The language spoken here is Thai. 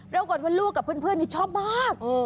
ปรากฏว่าลูกกับเพื่อนนี่ชอบมาก